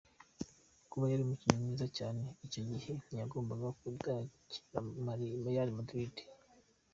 Kuba yari umukinnyi mwiza cyane icyo gihe, ntiyagombaga kudakina mri Real M.